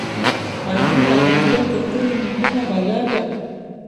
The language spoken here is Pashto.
غنم د افغانستان تر ټولو مهمه غله ده.